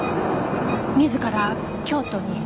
自ら京都に？